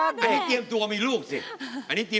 อันนี้เตรียมตัวมีลูกสิ